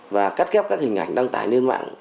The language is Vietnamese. và cắt ghép các hình ảnh đăng tải lên mạng